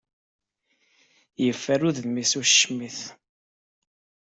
Yeffer udem-is ucmit.